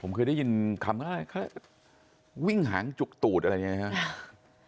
ผมเคยได้ยินคำว่าวิ่งหางจุกตูดอะไรอย่างนี้ครับ